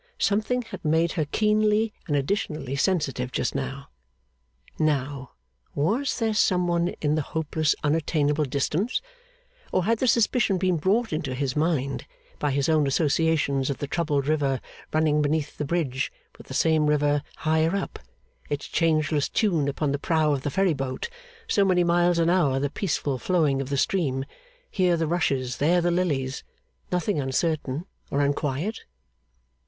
Something had made her keenly and additionally sensitive just now. Now, was there some one in the hopeless unattainable distance? Or had the suspicion been brought into his mind, by his own associations of the troubled river running beneath the bridge with the same river higher up, its changeless tune upon the prow of the ferry boat, so many miles an hour the peaceful flowing of the stream, here the rushes, there the lilies, nothing uncertain or unquiet?